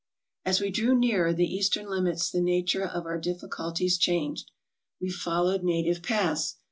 As we drew nearer the eastern limits the nature of our difficulties changed. We followed native paths.